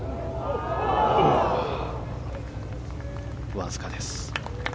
わずかです。